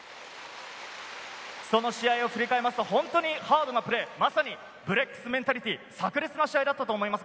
その試合を振り返ると、ハードなプレー、まさにブレックスメンタリティー炸裂した試合だったと思います。